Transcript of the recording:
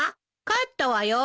帰ったわよ。